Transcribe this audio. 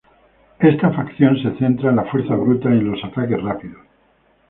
Esta facción se centra en la fuerza bruta y en los ataques rápidos.